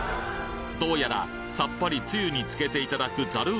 どうやらさっぱりつゆにつけていただくざる